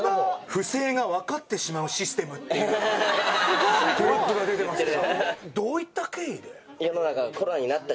「不正が分かってしまうシステム」っていうテロップが出てますが。